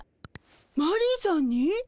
マリーさんに？